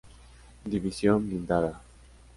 División Blindada.